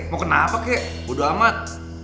mau kenapa kek udah amat